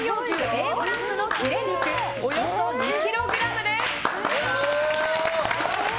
Ａ５ランクのヒレ肉、およそ２ｋｇです。